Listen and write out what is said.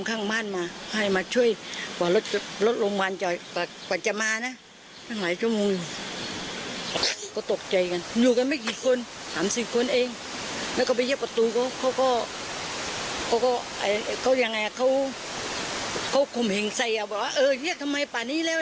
เขาข่มเห่งใจก็แบบว่าเฮียทำไมบอดนี้แล้ว